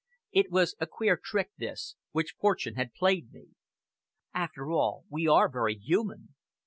It was a queer trick this, which fortune had played me. After all we are very human.